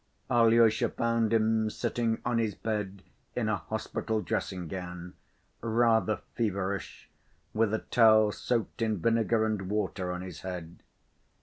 Alyosha found him sitting on his bed in a hospital dressing‐gown, rather feverish, with a towel, soaked in vinegar and water, on his head.